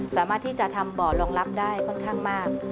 สามารถที่จะทำบ่อรองรับได้ค่อนข้างมาก